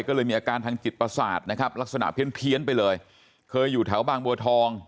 ก็เลยมีอาการทางจิตประสาทนะครับลักษณะเพี้ยนไปเลยเคยอยู่แถวบางบัวทอง